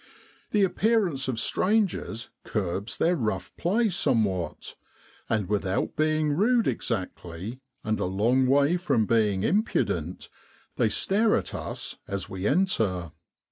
The appearance of strangers curbs their rough play somewhat, and without being rude exactly, and a long way from being impu dent, they stare at us as we enter.